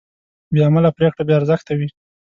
بېعمله پرېکړه بېارزښته وي.